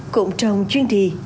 cụm trồng chuyên thị